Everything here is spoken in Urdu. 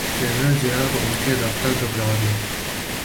جنرل ضیاء اور ان کے رفقاء گھبرا گئے۔